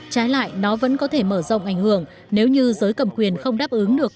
trái lại nó vẫn có thể mở rộng ảnh hưởng nếu như giới cầm quyền không đáp ứng được